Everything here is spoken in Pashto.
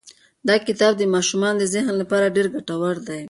دا کتاب د ماشومانو د ذهن لپاره ډېر ګټور دی.